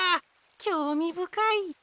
きょうみぶかい。